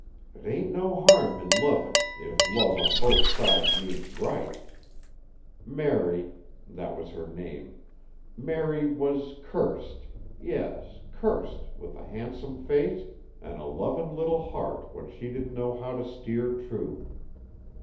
"'T ain't no harm in lovin', if love on both sides means right. Mary that was her name Mary was cursed, yes, cursed, with a handsome face an' a lovin' little heart what she didn't know how t' steer true.